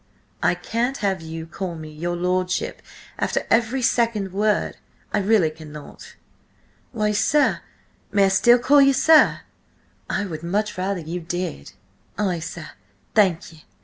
"I can't have you call me 'your lordship,' after every second word–I really cannot." "Why, sir–may I still call you 'sir'?" "I would much rather you did." "Ay, sir–thank you."